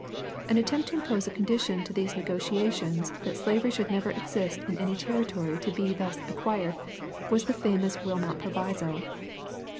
An attempt to impose a condition to these negotiations that slavery should never exist in any territory to be thus acquired was the famous Wilmot Proviso.